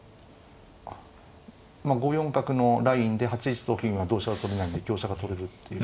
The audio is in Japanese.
５四角のラインで８一と金は同飛車は取れないんで香車が取れるっていう。